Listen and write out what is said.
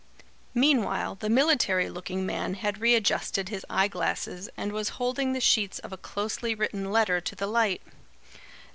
Meanwhile the military looking man had readjusted his eye glasses and was holding the sheets of a closely written letter to the light.